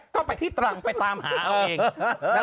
ก็ไปที่ตรังไปตามหาเอาเอง